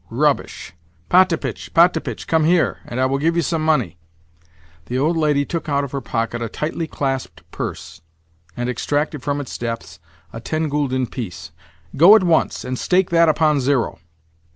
"Rubbish! Potapitch, Potapitch! Come here, and I will give you some money." The old lady took out of her pocket a tightly clasped purse, and extracted from its depths a ten gülden piece. "Go at once, and stake that upon zero."